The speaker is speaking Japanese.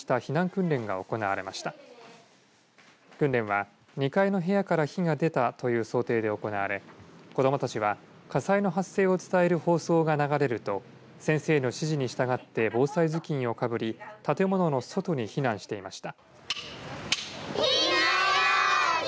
訓練は２階の部屋から火が出たという想定で行われ子どもたちは火災の発生を伝える放送が流れると先生の指示に従って防災頭巾をかぶり建物の外に避難していました。